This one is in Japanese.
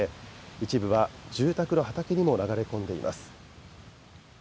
一部は住宅の畑にも流れ込んでいます。